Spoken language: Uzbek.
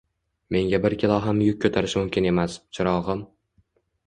Menga bir kilo ham yuk ko`tarish mumkin emas, chirog`im